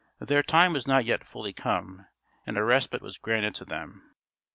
Their time was not yet fully come, and a respite was granted to them.